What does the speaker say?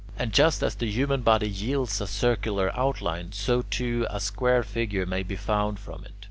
And just as the human body yields a circular outline, so too a square figure may be found from it.